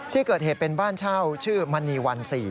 ที่เกิดเหตุเป็นบ้านเช่าชื่อมณีวัน๔